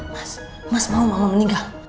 mas mas mau mama meninggal